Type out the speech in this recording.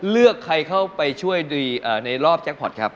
เลือกใครเข้าไปช่วยในรอบแจ็คพอร์ตครับ